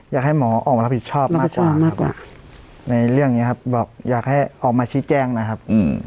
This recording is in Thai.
อยากให้หมอออกมารับผิดชอบมากกว่ามากกว่าในเรื่องนี้ครับบอกอยากให้ออกมาชี้แจ้งนะครับ